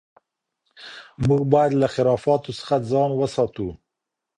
موږ باید له خرافاتو څخه ځان وساتو.